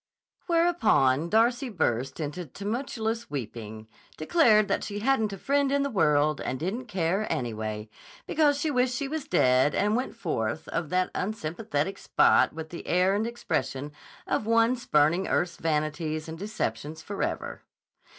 Whereupon Darcy burst into tumultuous weeping, declared that she hadn't a friend in the world, and didn't care, anyway, because she wished she was dead, and went forth of that unsympathetic spot with the air and expression of one spurning earth's vanities and deceptions forever.